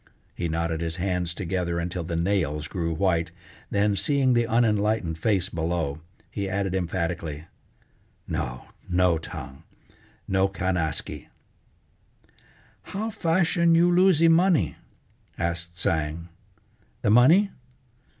He knotted his hands together until the nails grew white then, seeing the unenlightened face below, he added emphatically: "No, no, Tsang, no can askee!" "How fashion you losee money!" asked Tsang. "The money?